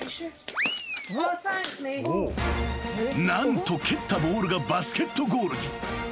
［何と蹴ったボールがバスケットゴールに］